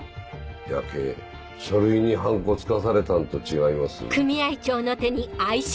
やけぇ書類にハンコつかされたんと違います？